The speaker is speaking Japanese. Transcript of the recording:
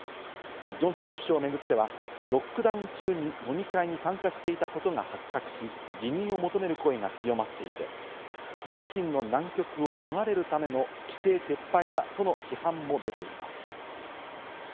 ジョンソン首相をめぐってはロックダウン中に飲み会に参加していたことが発覚し、辞任を求める声が強まっていて、自身の難局を逃れるための規制撤廃だとの批判も出ています。